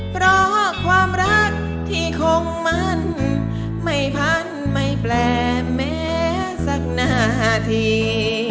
เพราะความรักที่คงมั่นไม่พันไม่แปลแม้สักนาที